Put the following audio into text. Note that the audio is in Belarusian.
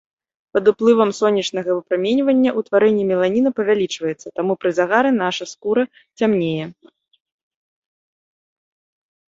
Пад уплывам сонечнага выпраменьвання ўтварэнне меланіну павялічваецца, таму пры загары наша скура цямнее.